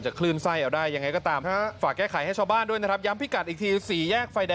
ช่วยกรุณามาดูดไฟตรงข้างสรรค์เจ้าพลกเมืองนะคะ